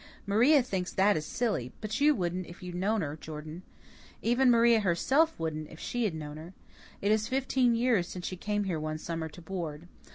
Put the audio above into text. Maria thinks that is silly, but you wouldn't if you'd known her, Jordan. Even Maria herself wouldn't, if she had known her. It is fifteen years since she came here one summer to board.